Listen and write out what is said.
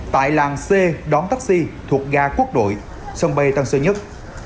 tại làng c đón taxi thuộc ga quốc đội sân bay tân sơn nhất